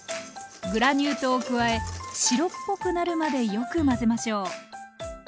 グラニュー糖を加え白っぽくなるまでよく混ぜましょう。